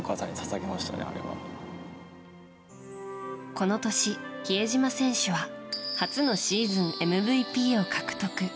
この年、比江島選手は初のシーズンＭＶＰを獲得。